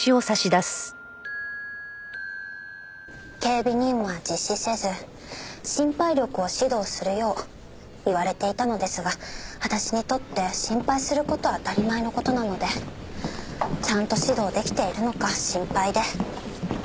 警備任務は実施せず心配力を指導するよう言われていたのですが私にとって心配する事は当たり前の事なのでちゃんと指導できているのか心配で。